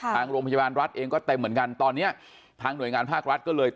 ทางโรงพยาบาลรัฐเองก็เต็มเหมือนกันตอนนี้ทางหน่วยงานภาครัฐก็เลย